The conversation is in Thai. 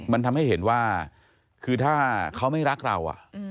มันทำให้เห็นว่าคือถ้าเขาไม่รักเรา